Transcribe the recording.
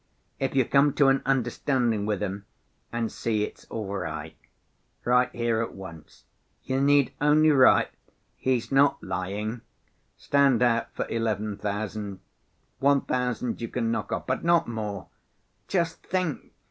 If you come to an understanding with him, and see it's all right, write here at once. You need only write: 'He's not lying.' Stand out for eleven thousand; one thousand you can knock off, but not more. Just think!